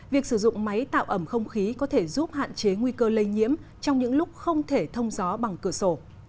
việc sử dụng máy tạo ẩm không khí có thể giúp hạn chế nguy cơ lây nhiễm trong những lúc không thể thông gió bằng cửa sổ